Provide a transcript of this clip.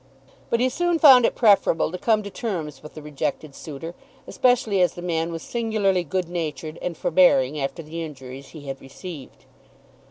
But he soon found it preferable to come to terms with the rejected suitor, especially as the man was singularly good natured and forbearing after the injuries he had received.